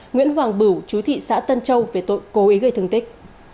nguyễn hoàng bửu chú thị xã tân châu về tội cố ý gây thương tích